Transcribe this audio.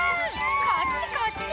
こっちこっち！